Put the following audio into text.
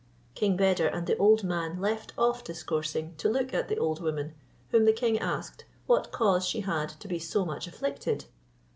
King Beder and the old man left off discoursing, to look at the old woman, whom the king asked, what cause she had to be so much afflicted?